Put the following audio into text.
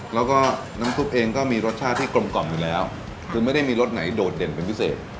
แล้วก็น้ำซุปเองก็มีรสชาติที่กลมกล่อมอยู่แล้วคือไม่ได้มีรสไหนโดดเด่นเป็นพิเศษ